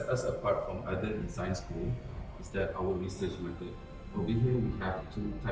apa yang membuat pelajaran di raffles berbeda dengan di lain negeri